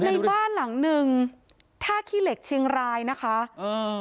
ในบ้านหลังหนึ่งท่าขี้เหล็กเชียงรายนะคะอืม